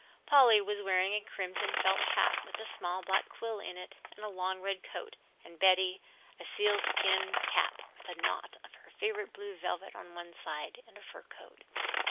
Polly was wearing a crimson felt hat with a small black quill in it and a long red coat, and Betty, a seal skin cap with a knot of her favorite blue velvet on one side and a fur coat.